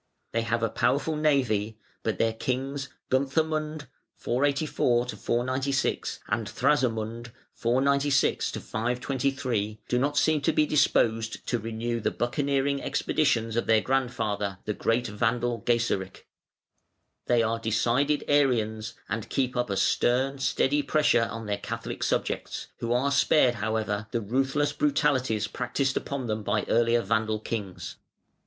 They have a powerful navy, but their kings, Gunthamund (484 496) and Thrasamund (496 523), do not seem to be disposed to renew the buccaneering expeditions of their grandfather, the great Vandal Gaiseric. They are decided Arians, and keep up a stern, steady pressure on their Catholic subjects, who are spared, however, the ruthless brutalities practised upon them by the earlier Vandal kings.